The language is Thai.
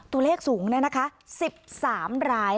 ตัวเลขสูงเลยนะคะ๑๓ราย